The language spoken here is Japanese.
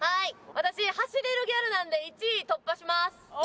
私走れるギャルなんで１位突破します。